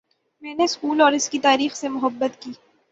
میں نے سکول اور اس کی تاریخ سے محبت کی